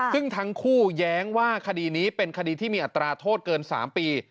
ซึ่งทั้งคู่แย้งว่าคดีนี้เป็นคดีที่มีอัตราโทษเกิน๓ปี